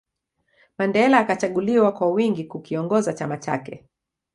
Mandela akachaguliwa kwa wingi kukiongoza chama chake